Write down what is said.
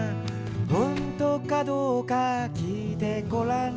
「ほんとかどうかきいてごらん」